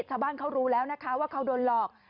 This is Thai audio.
ชาวบ้านเขารู้แล้วนะคะว่าเขาโดนหลอก